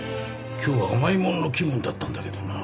今日は甘いものの気分だったんだけどなあ。